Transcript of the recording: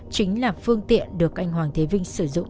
chính là phương tiện được anh hoàng thế vinh sử dụng